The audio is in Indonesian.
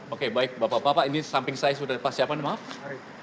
oke baik bapak bapak ini samping saya sudah dipasang siapa